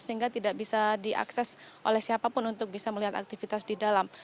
sehingga tidak bisa diakses oleh siapapun untuk bisa melihat aktivitas di dalam